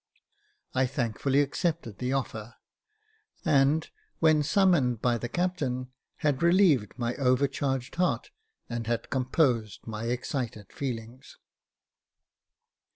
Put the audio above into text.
I thankfully accepted the offer ; and, when summoned by the captain, had relieved my overcharged heart, and had composed my excited feelings.